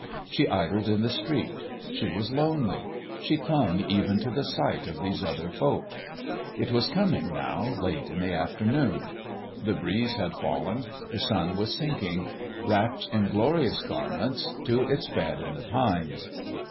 She idled in the street: she was lonely ; she clung even to the sight of these other folk. It was coming, now, late in the afternoon. The breeze had fallen ; the sun was sinking, wrapped in glorious garments, to its bed in the pines.